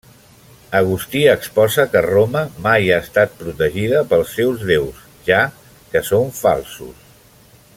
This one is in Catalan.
Agustí exposa que Roma mai ha estat protegida pels seus déus, ja que són falsos.